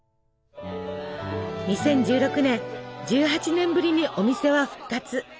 ２０１６年１８年ぶりにお店は復活。